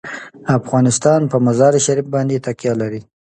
افغانستان په مزارشریف باندې تکیه لري.